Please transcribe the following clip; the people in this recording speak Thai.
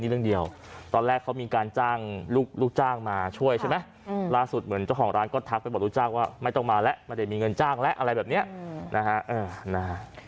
เรื่องเดียวตอนแรกเขามีการจ้างลูกจ้างมาช่วยใช่ไหมล่าสุดเหมือนเจ้าของร้านก็ทักไปบอกลูกจ้างว่าไม่ต้องมาแล้วไม่ได้มีเงินจ้างแล้วอะไรแบบนี้นะฮะ